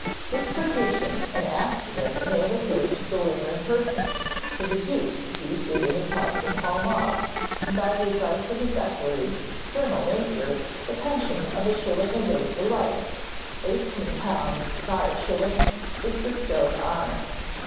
This petition an accident enabled her to deliver in person to the Duke as he was leaving his house in Pall Mall, and by the advice of his equerry, Colonel Napier, the pension of a shilling a day for life £18 5_s._ was bestowed on her.